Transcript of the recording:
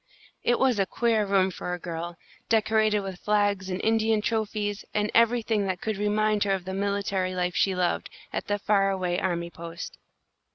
It was a queer room for a girl, decorated with flags and Indian trophies and everything that could remind her of the military life she loved, at the far away army post.